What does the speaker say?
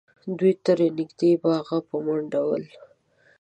دوی تر نږدې باغه په منډه ول